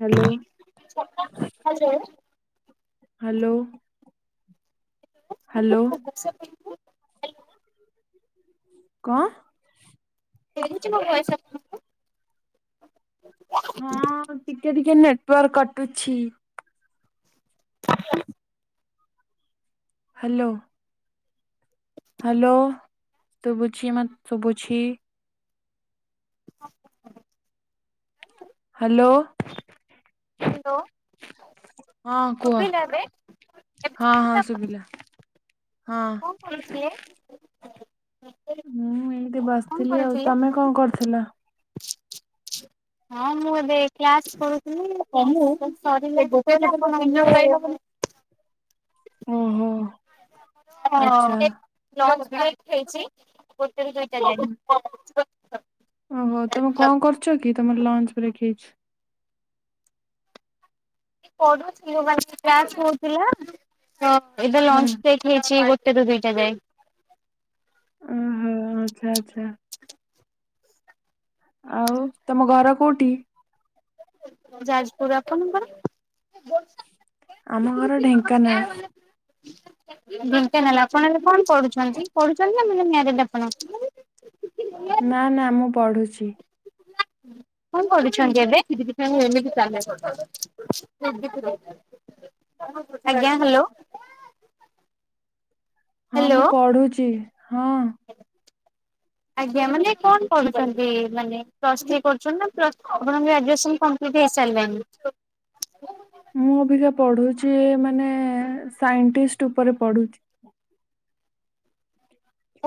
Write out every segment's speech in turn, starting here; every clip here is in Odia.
Hello hello. ହ୍ୟାଲୋ। ହ୍ୟାଲୋ। ମୋ କ [unintelligible] ହଁ ଟିକେ ଟିକେ ଟିକିଏ ନେଟୱାର୍କ କଟୁଛି। [inaudible] ହ୍ୟାଲୋ। ହ୍ୟାଲୋ ତୁଭୁଛିି ମ ସୁୁଭୁଛିି। ଖାଲି। ହ୍ୟାଲୋ। ହ୍ୟାଲୋ ହଁ କୁହ [inaudible] ହଁ ହଁ ଶୁଭିଲା ହଁ କରୁଥିଲେ? ମୁଁ ଏମିତି କଣ ବସିଥିଲି। ଆଉ କରୁଥିଲେ? ତମେ କଣ କରୁଥିଲ? ହଁ ମୁଁ ଏବେ କ୍ଲାସ୍ କରୁଥିଲି [inaudible] ହୁଁ ହୁଁ। ହଁ। ଭାଇ ଖାଇଛି। [inaudible] ଓହୋ ତମେ କଣ କରୁଛ କି ତମର ଲଞ୍ଚ୍ ବ୍ରେକ୍ ହେଇଛି? ପଢ଼ୁଥିଲି ମାନେ କ୍ଲାସ୍ ହଉଥିଲା। ତ ଏଇଟା ହୁଁ ଲଞ୍ଚ ଲ ହେଇଛି। ତୁ ଦୁଇଟା ଯାଇ ଓହୋ ଆଚ୍ଛା ଆଚ୍ଛା। ଆଉ ତମ ଘର କୋଉଠି? ଯାଜପୁର ଆପଣଙ୍କର? ଆମ ଘର ଢେଙ୍କାନାଳ। ଢେଙ୍କାନାଳ [unintelligible] ଆପଣ ହେଲେ କଣ ପଢୁଛନ୍ତି ପଢୁଛନ୍ତି। [inaudible] ନା ନା ମୁଁ ପଢୁଛି। କଣ କରୁଛନ୍ତି ଏବେ? ଆଜ୍ଞା ହାଲୋ ହଁ ମୁଁ ପଢୁଛି ହଁ ଆଜ୍ଞା ମାନେ କଣ କରୁଛନ୍ତି? ପ୍ଲସ୍ ଥ୍ରୀ କରୁଛନ୍ତି ନା ଗ୍ରାଜୁଏସନ୍ କମ୍ପ୍ଲିଟ୍ ହେଇସାରିଲାଣି? ମୁଁ ଅବିକା ପଢୁ଼ଛି ମାନେ ସାଇଣ୍ଟିଷ୍ଟ୍ ଉପରେ ପଢୁଛି।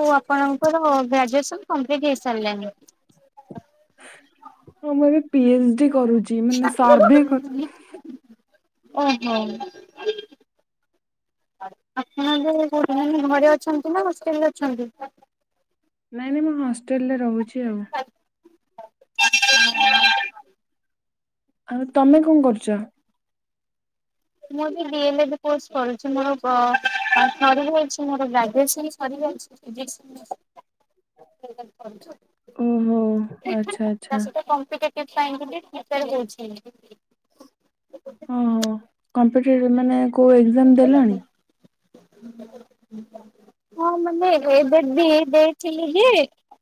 ଓ ଆପଣଙ୍କର ଗ୍ରାଜୁଏସନ କମ୍ପ୍ଲିଟ୍ ହେଇସାରିଲାଣିି? ହଁ ମୁଁ ଏବେ ପି ଏଚ ଡି କରୁଛି ମାନେ ସର୍ଭେ କର ଓଃ ହୋ। ଆପଣ ଏବେ କୋଉଠି ଘରେ ଅଛନ୍ତି ନା ହଷ୍ଟେଲ ରେ ଅଛନ୍ତି। ଏବେ ମୁଁ ହସ ହଷ୍ଟେଲ ରେ ରହୁଛି ଆଉ। [inaudible] ଆଉ ତମେ କଣ କରୁଛ। ମୁଁ ଏବେ ଡି ଏଲ୍ ଇଡି କୋର୍ସ କରୁଛି ମୋର ସରିଯାଇଛି ମୋର ଗ୍ରାଜୁଏସନ ସରିଯାଇଛି ଫିଜିକ୍ସ। ଓହୋ ଆଚ୍ଛା ଆଚ୍ଛା ସେଟା କ ସେପାଇ [inaudible] ଓୋ କମ୍ପ୍ୟୁଟର ମାନେ କୋଉ ଏକ୍ଜାମ ଦେଲନି। ହଁ ମାନେ ଏବେ ଦେଇଥିଲି ଯେ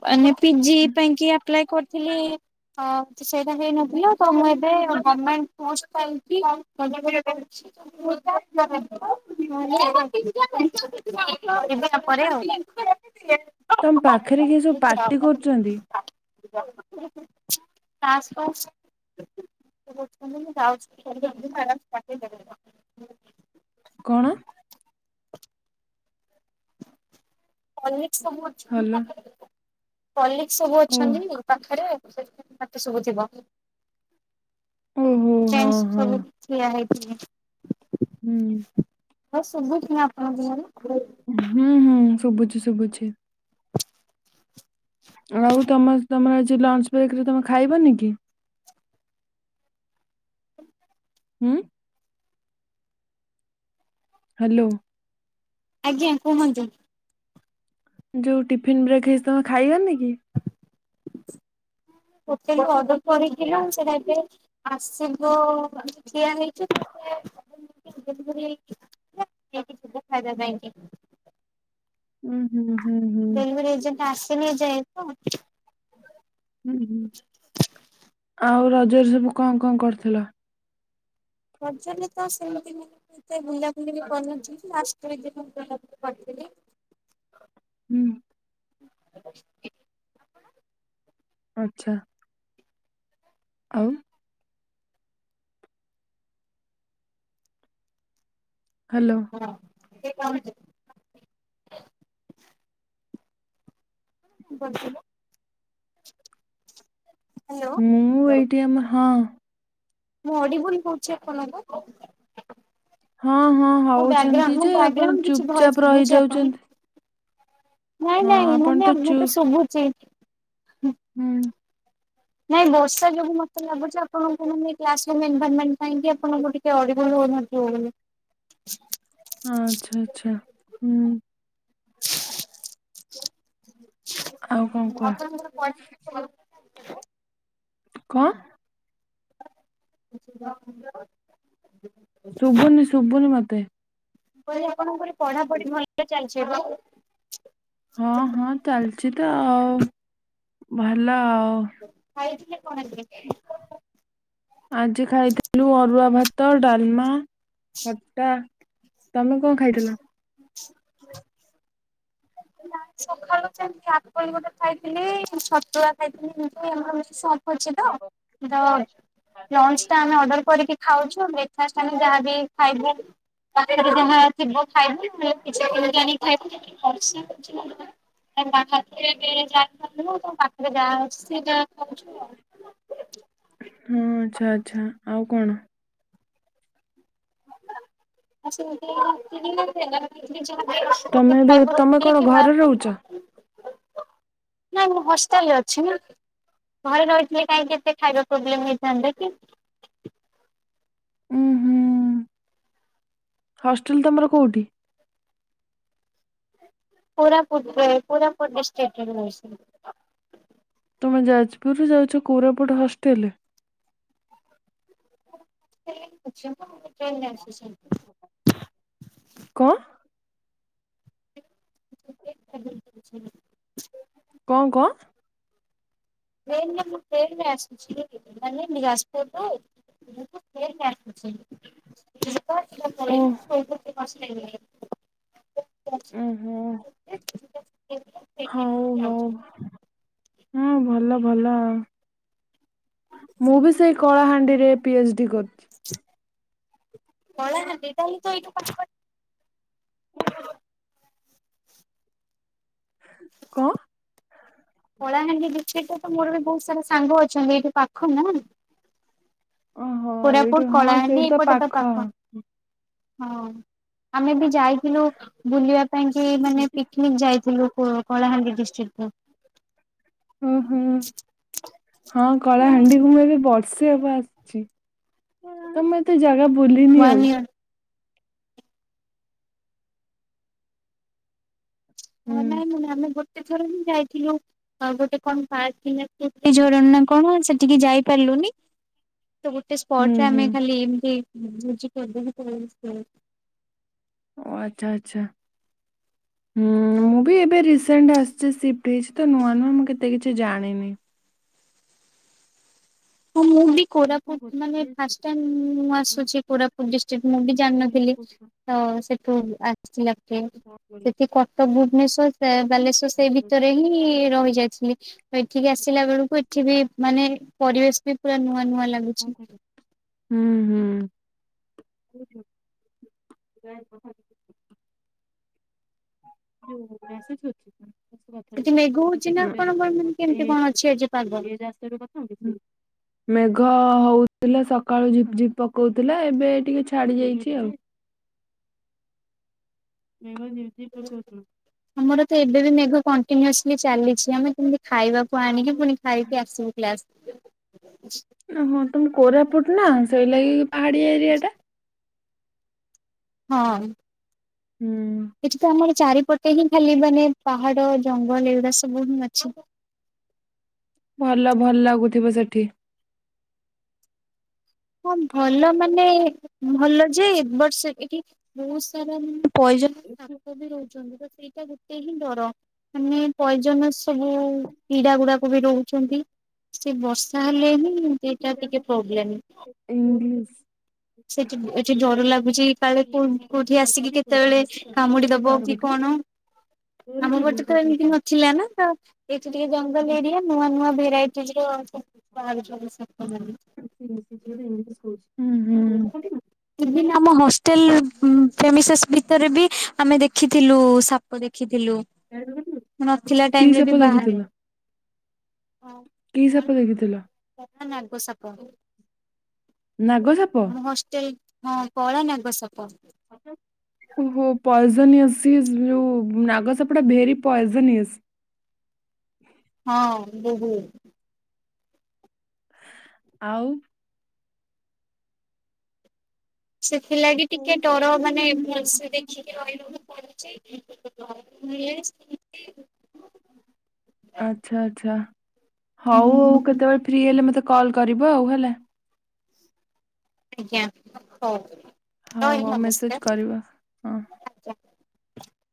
ମାନେ ପିଜି ପାଇଁକି ଆପ୍ଲାଏ କରିଥିଲି ସେଇଟା ହେଇନଥିଲା ତ ମୁଁ ଏବେ ଗଭର୍ଣମେଣ୍ଟ ପୋଷ୍ଟ ପାଇଁ କି ପଢୁଛି। ଏବେ ନୁହଁ ପରେ ଆଉ। ତମ ପାଖରେ କିଏ ସବୁ ପାର୍ଟି କରୁଛନ୍ତି। [inaudible] କଣ। [inaudible] [inaudible] ସମ [inaudible] ଭଲ କଲିକ ସବୁ ଓ ଅଛନ୍ତି ପାଖରେ ପାଟି ଶୁବୁଥିବ। [inaudible] ହୁଁ। ଓହୋ ହଁ ହଁ ହୁଁ। ହଁ ଶୁବୁଚି ନା ଆପଣଙ୍କୁ ମୋର? ହୁଁ ହୁଁ ଶୁବୁଚି ଶୁଭୁଛିି। ଆଉ ତମ ଜି ତମର ଆଜି ଲଞ୍ଚ ବ୍ରେକରେ ତମେ ଖାଇବନି କି? ଉଁ? ହାଲୋ। ଆଜ୍ଞା କୁହନ୍ତୁ। ଯୋଉ ଟିଫନ୍ ବ୍ରେକ୍ ହେଇଛି ତମେ ଖାଇବନି କି? ହୋଟେଲରୁ ଅଡର୍ କରିଥିଲୁ ସେଟା ଏବେ ଆସିବ ଠିଆ ହେଇଚି [unintelligible] ନେଇକି ଯିବୁ ଖାଇବା ପାଇଁକି। ଉଁ ହୁଁ ହୁଁ ହୁଁ। ଡେଲିଭରି ଏଜେଣ୍ଟ ଆସିନି ଏ ଯାଏଁ ତ। ହୁଁ ହୁଁ। ଆଉ ରଜରେ ସବୁ କଣ କଣ କରିଥିଲ? ରଜରେ ତ ସେମିତି ମାନେ ମୁଁ ଏତେ ବୁଲାବୁଲି ବି କରିନଥିଲି ଲାଷ୍ଟ ଦିନ ବୁଲା ବୁଲି କରିଥିଲି। ହୁଁ। ଆପଣ? ଆଚ୍ଛା ଆଉ? ହାଲୋ। [inaudible] ଗୋଟେ ଲୋ ମୁଁ ଏଇଟି ଆମ ହଁ। ମୁଁ ଅଡିିବୁଲ ହୋଉଛି ଆପଣଙ୍କୁ? ହଁ ହଁ ମୋ ହୋଉଛନ୍ତି ବ୍ୟାଗ୍ରାଉଣ୍ଡ ମୋ ଯେ ଆପଣ ବ୍ୟାଗ୍ରାଉଣ୍ଡ କିଛି ଚୁପ ଭଏସ ଚାପ ଶୁଭୁଛି ଆପଣଙ୍କୁ ରହିଯାଉଚନ୍ତି। ନାଇଁ ନାଇଁ ମାନେ ମୋତେ ଶୁଭୁଚି। ହୁଁ। ନାଇଁ ବର୍ଷା ଯୋଗୁଁ ମତେ ଲାଗୁଚି ଆପଣଙ୍କୁ ମାନେ କ୍ଲାସ୍ ରୁମ୍ ଏନଭାର୍ମେଣ୍ଟ୍ ପାଇଁକି ଆପଣଙ୍କୁ ଟିକେ ଅଡିବୁଲ୍ ହୋଉନଥିବ ବୋଲି। ଆଚ୍ଛା ଆଚ୍ଛା ହୁଁ। [inaudible] ଆପଣଙ୍କର ପଢାପଢି ଆଉ କଣ ସାରିଚି କୁହ ନା ଚାଲ [inaudible] କଣ୍? [unintelligible] ଶୁଭୁନି ଶୁଭୁନି ମତେ। ମୁଁ କହିଲି ଆପଣଙ୍କର ପଢାପଢି ଭଲ ଚାଲଚି ଏବେ? ହଁ ହଁ ଚାଲଚି ତ ଆଉ। ଭଲ ଆ ଖାଇ ଆଜି ଖାଇଥିଲୁ ଅରୁଆ ଭା ତ ଡାଲମା। ଖଟା ତମେ କଣ ଖାଇଥିଲ? [inaudible] ନା ସଖାଳୁ ସେମିତି, ଆପଲ୍ ଗୋଟେ ଖାଇଥିଲି, ଛତୁଆ ଖାଇଥିଲି, [unintelligible] ଅଛି ତ, ଲଞ୍ଚ ଟା ଆମେ ଅର୍ଡର କରିକି ଖାଉଛୁ। ହଁ ବ୍ରେକଫାଷ୍ଟ ଆମେ ଯାହା ବି ଖାଇବୁ, ପାଖରେ ଯାହା ଥିବ ଖାଇବୁ ନହେଲେ କିଛି କିଣିକି ଆଣିକି ଖାଇବୁ କଣ ଅଛି ସାର। [unintelligible] ତ ପାଖରେ ଯାହା ଅଛି ସେଇଟା ଖାଉଛୁ। ଆଉ। ହଁ ଆଚ୍ଛା ଆଚ୍ଛା ଆଉ କଣ? ହଁ ସେମିତିଆ। [unintelligible] ନାଇ ତମେ ଏବେ ତମେ କଣ ଘରେ ରହୁଛ? ମୁଁ ହଷ୍ଟେଲରେ ଅଛି ନା, ଘରେ ରହିଥିଲେି କାହିଁକି ଏତେ ଖାଇବା ପ୍ରୋବ୍ଲେମ୍ ହେଇଥାନ୍ତା କି? ହୁଁ ହୁଁ ହଷ୍ଟେଲ ତମର କୋଉଠି? କୋରାପୁଟ ରେ, କୋରାପୁଟ ଡିସ୍ଟ୍ରିକ୍ ଅଛି। ମେ ଯାଜପୁରୁ ଯାଉଛ, କୋରାପୁଟ ହଷ୍ଟେଲ। [unintelligible] କଣ? [unintelligible] କଣ କଣ? ଟ୍ରେନ ରେ ମୁଁ ଟ୍ରେନ ରେ ଆସୁଛି, ମାନେ ବିଳାସପୁର ରୁ ଟ୍ରେନ୍ ଆସ୍ତଛି। ଓ [unintelligible] [unintelligible] ଓହୋ [unintelligible] ହଉ ହଉ। ହଁ ଭଲ ଭଲ ଆ। ମୁଁ ବି ସେଇ କଳାହାଣ୍ଡିରେ ପି ଏଚ ଡି କରୁଚି। ପଳ ନା ତାାଲେ ତ ଏଇ [inaudible] କଁ। କଳାହାଣ୍ଡି ବିଛ ତ ତ ମୋର ବି ବହୁତ ସାରା ସାଙ୍ଗ ଅଛନ୍ତି ଏଇଠି ପାଖ ନା। ଓହୋ ଏଇଠୁ କୋରାପୁଟ ହଁ କଳାହାଣ୍ଡି ସେଇଠୁ ଏଇପଟେ ତ ପାଖ। ହଁ ଆମେ ବି ଯାଇଥିଲୁ ବୁଲିବା ପାଇଁ କି ମାନେ ପିକ୍ନିକ ଯାଇଥିଲୁ କଳାହାଣ୍ଡି ଡି [unintelligible] ଓ ହୋଁ ହଁ କଳାହାଣ୍ଡିକୁ ମୁ ଏବେ ବର୍ଷେ ହବ ଆସିଚି। ତମେ ତ ଜାଗା ଭୁଲିନି ଆଉ। ୱାନ୍ ଇୟର ହୁଁ ଆ ନାଇଁ ମାନେ ଆମେ ଗୋଟେ ତେ ରଣ ଯାଇଥିଲୁ ଗୋଟେ କଣାର୍କତେ ଝରଣ ନା କଣ ସେଠିକେ ଯାଇପାରିଲୁନି। ତ ଗୋଟେ ହୁଁ ସ୍ପଟରେ ହୁଁ ଆମେ ଖାଲି ଏମତି ଁଛି କେବେ କ ସେ। ଓ ଆଚ୍ଛା ଆଚ୍ଛା। ହୁଁ ମୁଁ ବି ଏବେ ରିସ ଆସିଛି ସିଫ୍ଟ ହେଇଛି ତ ନୂଆ ନୂଆ ମୁଁ କେତେ କିଛି ଜାଣିନି। ହଁ ମୁଁ ବି ସିଏ କଣ କୋରାପୁଟ କରୁଛି ମାନେ ପିଏଚଡି ଫାଷ୍ଟ ଟାଇମ୍ ମୁଁ ଆସୁଛି କୋରାପ [inaudible] ମୁଁ ବି ଇଂଲିଶ ଜାଣିନଥିଲି ତ ସେ ହ ଆ। କଣ କରିବା? ସେଠି କର୍ତବ୍ୟ। ମଶ ସେ [inaudible] ବାଲେଶ୍ୱର ସେଇ ଭିତରେ ହିଁ ରହି ଯାଇଥିଲି ତ ଏଠିକି ଆସିଲା ବେଳକୁ ଏଠ ବି ମାନେ ପରିବେଶ ପୁରା ନୂଆ ନୂଆ ଲାଗୁଛି। ହୁଁ ହୁଁ। ଜ [inaudible] ହ ବସ ହେଛି [inaudible] ଥା [unintelligible] ସେଠି ମେଘ ହଉଛି ନା ଆପଣଙ୍କର ମାନେ କେମିତି କଣ ଅଛି ଆଜି ପାଗ? ଘ ହଉଥିଲା ସକାଳୁ ଝିପ ଝିପ ପକଉଥିଲା ଏବେ ଟିକେ ଛାଡି ଯାଇଚି ଆଉ। ଆମର ତ ଏବେ ବି ମେଘ କଣ୍ଟିନ୍ୟୁସିଲ୍ ଚାଲିଚି ଆମେ କେମିତି ଖାଇବା କୁ ଆଣିକି ପୁଣି ଖାଇକି ଆସିବୁ କ୍ଲାସ। ହଁ ତ ମୁଁ କୋରାପୁଟ ନା ସେଇ ଲାଗି ପାହାଡିଆ ଏରିଆଟା ହଁ ହୁଁ। ଏଠି ତ ଆମର ଚାରିପଟେ ହିଁ ଖାଲି ମାନେ ପାହାଡ ଜଙ୍ଗଲ ଏଗୁଡା ସବୁ ହିଁ ଅଛି। ଭଲ ଭଲ ଲାଗୁଥିବ ସେଟ୍ ଇ [inaudible] ହଁ ଭଲ ମାନେ ଭଲ ଯେ ବର୍ଷ ଟିକେ ବହୁତ ସାରା ମେ [unintelligible] ତ ମୋର ସେଇଟା ଗୋଟେ ହିଁ ଡର ମାନେ ପଏଜନ ସବୁ ପିଡା ଗୁଡାକ ବି ରହୁଚନ୍ତି ସେ ବର୍ଷା ହେଲେ ହିଁ ହଁ ସେଇଟା ଟିକେ ପ୍ରୋବ୍ଲେମ୍। ଇଂଲିଶ ସେଠି ଏଠି ଡର ଲାଗୁଚି କାଳେ କୋଉ କୋଉଠି ଆସିକି କେତେବେଳେ କାମୁଡି ଦବ ତାର କି ଗୋଟିବ କଣ ଆମ ପଟେ ତ ଏମିତି ନଥିଲା ନା ତ ଏଠି ଟିକେ ଜଙ୍ଗଲ ଏରିଆ ନୂଆ ନୂଆ ଜୀବ ଭେରାଇଟି ବାହାରୁଚନ୍ତି ସବୁ [unintelligible] ହୁଁ ହୁଁ। ଭିନ୍ ଆମ ହଷ୍ଟେଲ ଫେମିସସ୍ ଭିତରେ ବି ଆମେ ଦେଖ୍ ଖିଥିଲୁ ସାପ ଦେଖିଥିଲୁ ନଥିଲା କି ଟାଇମରେ ସେପ ବି ଦେଖିଥିଲ? ବାହାରି କି ସାପ ଦେଖିଥିଲ? କଳା ନାଗ ସାପ ନା। ହଷ୍ଟେଲ ହଁ କଳା ନାଗ ସା [unintelligible] ଓହୋ ପଏଜନଜି ଭିଉ ନାଗସାପଟା ଭେରି ପଏଜନନିଜ୍। ହଁ ବହୁତ। ଆଉ। [unintelligible] ଥିଲା କି ଟିକେ ଡର ମାନେ ଭଲସେ ଦେଖିକି ରହିବାକୁ ପଡୁଛି। [unintelligible] ଆଚ୍ଛା ଆଚ୍ଛା ହୁଁ ହଉ ହଉ କେତେବେଳେ ଫ୍ରି ହେଲେ ମତେ କଲ୍ କରିବ ଆଉ ହେଲା। ଆଜ୍ଞା ହ ହଉ। ହଉ ରହିଲି ହଉ ମେସେଜ ନମସ୍କାର। କରିବ ହଁ।